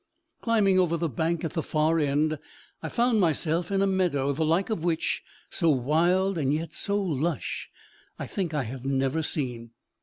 Climbing over the bank at the far end, I found myself in a meadow the like of which so wild and yet so lush I think I have never seen.